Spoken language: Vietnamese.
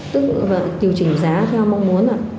tức là điều chỉnh giá theo mong muốn